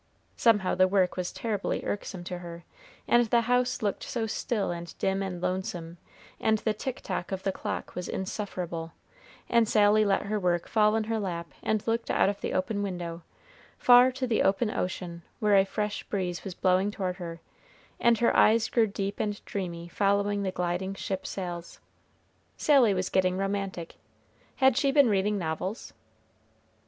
Somehow the work was terribly irksome to her, and the house looked so still and dim and lonesome, and the tick tock of the kitchen clock was insufferable, and Sally let her work fall in her lap and looked out of the open window, far to the open ocean, where a fresh breeze was blowing toward her, and her eyes grew deep and dreamy following the gliding ship sails. Sally was getting romantic. Had she been reading novels?